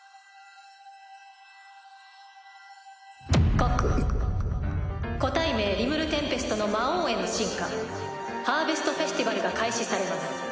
告個体名リムル＝テンペストの魔王への進化ハーベストフェスティバルが開始されます。